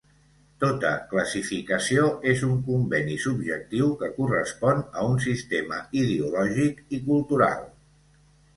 Tota classificació és un conveni subjectiu que correspon a un sistema ideològic i cultural.